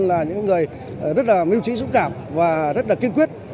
là những người rất là mưu trí dũng cảm và rất là kiên quyết